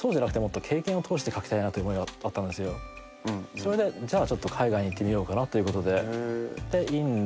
それでじゃあちょっと海外に行ってみようかなということで。